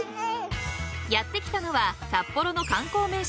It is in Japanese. ［やって来たのは札幌の観光名所